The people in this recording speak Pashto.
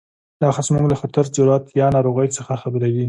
دا حس موږ له خطر، جراحت یا ناروغۍ څخه خبروي.